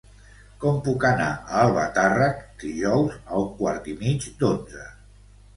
Com puc anar a Albatàrrec dijous a un quart i mig d'onze?